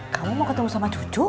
kamu mau ketemu sama cucu